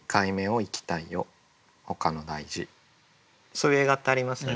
そういう映画ってありますよね。